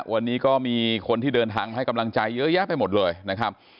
วันนี้ก็มีคนที่เดินทางมาให้กำลังใจเยอะแยะไปหมดเลยนะครับ